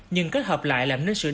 nhưng kết hợp lại làm nên sự đầy đủ